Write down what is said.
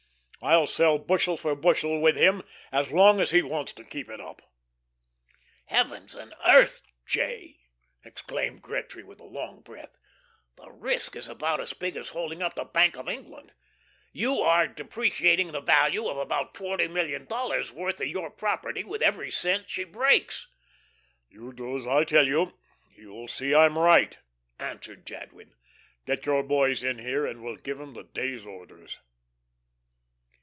I'll sell bushel for bushel with him as long as he wants to keep it up." "Heavens and earth, J.," exclaimed Gretry, with a long breath, "the risk is about as big as holding up the Bank of England. You are depreciating the value of about forty million dollars' worth of your property with every cent she breaks." "You do as I tell you you'll see I'm right," answered Jadwin. "Get your boys in here, and we'll give 'em the day's orders."